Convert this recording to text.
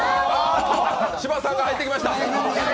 柴田さんが入ってきました。